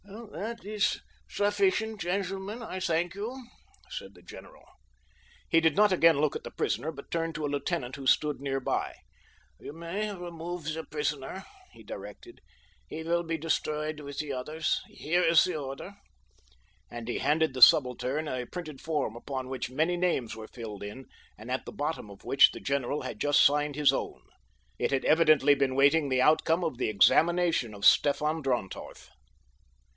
"That is sufficient, gentlemen, I thank you," said the general. He did not again look at the prisoner, but turned to a lieutenant who stood near by. "You may remove the prisoner," he directed. "He will be destroyed with the others—here is the order," and he handed the subaltern a printed form upon which many names were filled in and at the bottom of which the general had just signed his own. It had evidently been waiting the outcome of the examination of Stefan Drontoff.